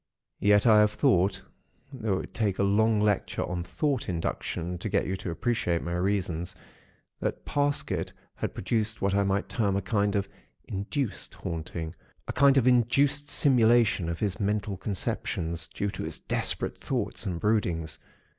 Yet I have thought, though it would take a long lecture on Thought Induction to get you to appreciate my reasons, that Parsket had produced what I might term a kind of 'induced haunting,' a kind of induced simulation of his mental conceptions, due to his desperate thoughts and broodings.